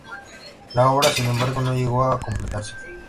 La obra, sin embargo, no llegó a completarse.